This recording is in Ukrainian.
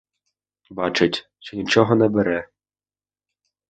Бачить, що нічого не бере.